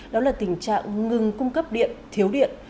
đó là tình trạng ngừng cung cấp điện thiếu điện